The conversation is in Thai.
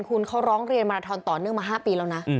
คุณเขาร้องเรียนมาราทอนต่อเนื่องมา๕ปีแล้วนะ